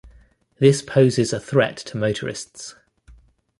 This poses a threat to motorists.